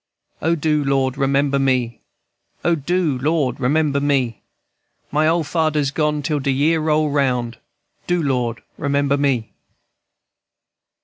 "O do, Lord remember me! O do, Lord, remember me! My old fader's gone till de year roll round; Do, Lord, remember me!"